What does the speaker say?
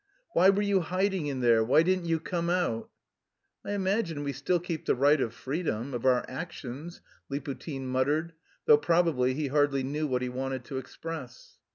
"Why were you hiding in there? Why didn't you come out?" "I imagine we still keep the right of freedom... of our actions," Liputin muttered, though probably he hardly knew what he wanted to express.